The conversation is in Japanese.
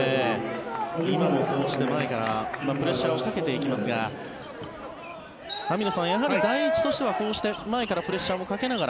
今もこうして前からプレッシャーをかけていきますが網野さん、やはり第一としては前からプレッシャーもかけながら。